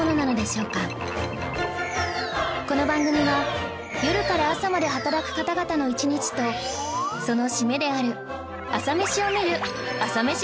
この番組は夜から朝まで働く方々の一日とその締めである朝メシを見る朝メシバラエティーなのです